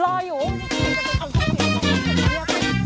น่ารักนิสัยดีมาก